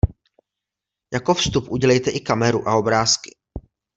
Jako vstup udělejte i kameru a obrázky.